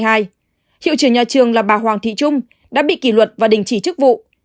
hiệu trưởng nhà trường là bà hoàng thị trung đã bị kỷ luật và đình chỉ chức vụ